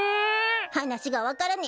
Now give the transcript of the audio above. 話が分からね